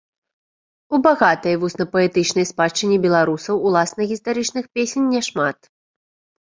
У багатай вуснапаэтычнай спадчыне беларусаў уласна гістарычных песен няшмат.